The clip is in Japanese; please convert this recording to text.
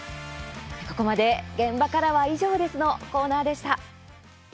ここまで「現場からは以上です」のコーナーでした。